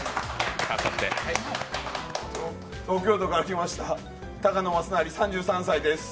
東京都から来ました、高野正成、３３歳です。